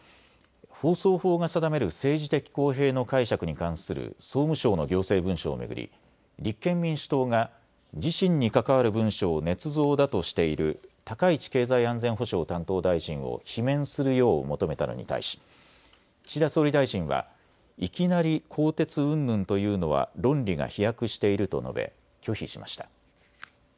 放送法が定める政治的公平の解釈に関する総務省の行政文書を巡り立憲民主党が自身に関わる文書をねつ造だとしている高市経済安全保障担当大臣を罷免するよう求めたのに対し岸田総理大臣はいきなり更迭うんぬんというのは論理が飛躍していると述べ拒否しました。